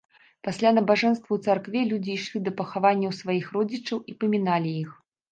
Пасля набажэнства ў царкве людзі ішлі да пахаванняў сваіх родзічаў і паміналі іх.